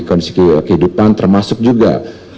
kondisi kehidupan termasuk juga